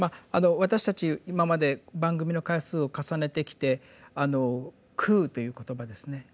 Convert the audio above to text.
私たち今まで番組の回数を重ねてきてあの「空」という言葉ですね